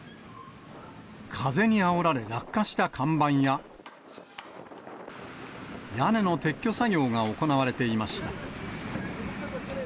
風にあおられ、落下した看板や、屋根の撤去作業が行われていました。